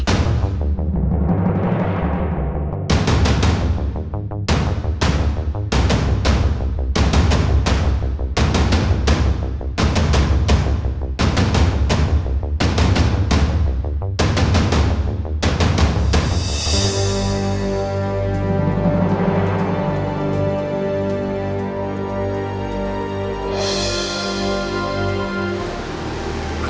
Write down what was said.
kalau enggak apa